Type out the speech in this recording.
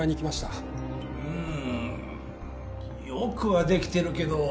うんよくはできてるけど。